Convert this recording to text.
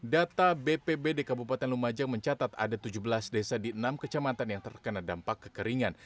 data bpbd kabupaten lumajang mencatat ada tujuh belas desa di enam kecamatan yang terkena dampak kekeringan